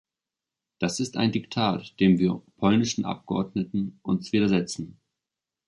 Das ist ein Diktat, dem wir polnischen Abgeordneten uns widersetzen.